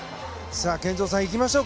健三さん、いきましょう。